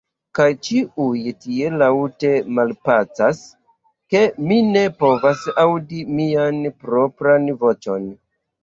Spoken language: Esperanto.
Kaj ĉiuj tiel laŭte malpacas, ke mi ne povas aŭdi mian propran voĉon.